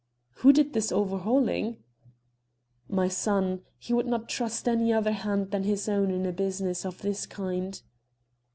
"Who did this overhauling?" "My son. He would not trust any other hand than his own in a business of this kind."